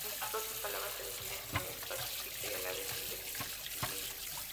En sus propias palabras se define como pacífico y a la vez indecente.